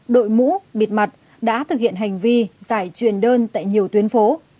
đội mũ bịt mặt đã thực hiện hành vi giải truyền đơn tại nhiều tuyến phố